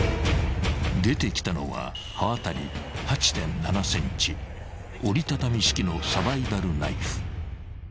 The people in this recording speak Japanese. ［出てきたのは刃渡り８．７ｃｍ折り畳み式のサバイバルナイフ］